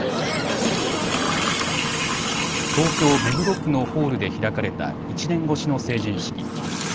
東京目黒区のホールで開かれた１年越しの成人式。